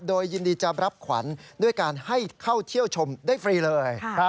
โดยยินดีจะรับขวัญด้วยการให้เข้าเที่ยวชมได้ฟรีเลย